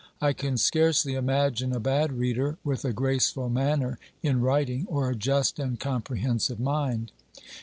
I can scarcely imagine a bad reader with a graceful manner in writing or a just and comprehensive mind.